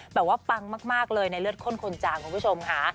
ปังมากเลยในเลือดข้นคนจางคุณผู้ชมค่ะ